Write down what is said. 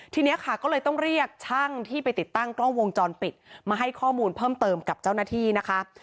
ทีนี้ค่ะก็เลยต้องเรียกช่างที่ไปติดตั้งกล้องวงจรปิดมาให้ข้อมูลเพิ่มเติมกับเจ้าหน้าที่นะคะ